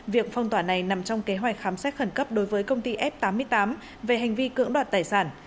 việc phong tỏa này nằm trong kế hoạch khám xét khẩn cấp đối với công ty f tám mươi tám về hành vi cưỡng đoạt tài sản